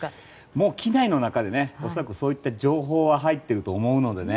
もう、機内の中で恐らくそういった情報は入っていると思うのでね